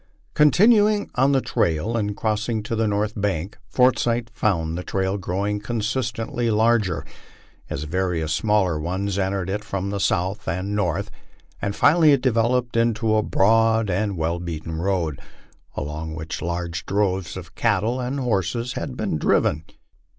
Continuing on the trail and crossing to the north bank, Forsyth found the trail growing constantly larger, as various smaller ones en tered it from the south and north, and finally it developed into a broad and well beaten road, along which large droves of cattle and horses had been driven.